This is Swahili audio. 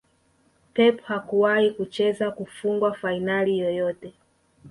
Pep hakuwahi kucheza kufungwa fainali yoyote